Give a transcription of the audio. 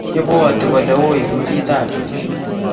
Ibwoti kole wiy kutitab chumbek